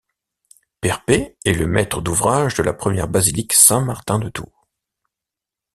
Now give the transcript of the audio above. Perpet est le maître d'ouvrage de la première basilique Saint-Martin de Tours.